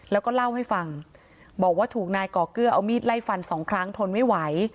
แล้วก็เล่าให้ฟังบอกว่าถูกนายก่อเกื้อเอามีดไล่ฟันสองครั้งทนไม่ไหว